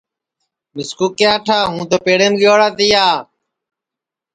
مِسکُو کیا ٹھا ہوں تو پیڑیم گئوڑا تیا